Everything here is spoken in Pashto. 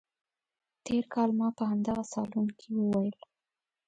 تېر کال ما په همدغه صالون کې وویل.